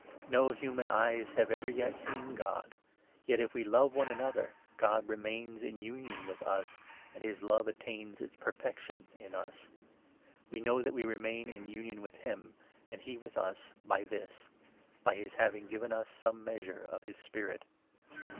No human eyes have ever seen God ; yet, 12 if we love one another, God remains in union with us, and his love attains its perfection in us. We know that we remain 13 in union with him, and he with us, by this — by his having given us some measure of his Spirit.